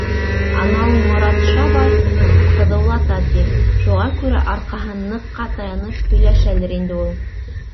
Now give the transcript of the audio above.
Анау Моратша бай ҡыҙыулата, ти, шуға күрә арҡаһын ныҡҡа таянып һөйләшәлер инде ул.